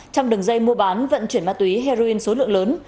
trong đường dây mua bán vận chuyển ma túy heroin số lượng lớn